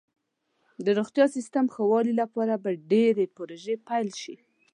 د روغتیا سیستم ښه والي لپاره به ډیرې پروژې پیل شي.